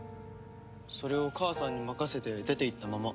それを母さんに任せて出ていったまま。